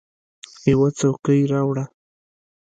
یوه څوکۍ راوړه !